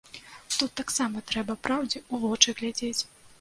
Тут таксама трэба праўдзе ў вочы глядзець.